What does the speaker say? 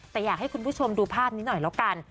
แต่อยากให้คุณผู้ชมดูภาพนี้หน่อยแล้วกัน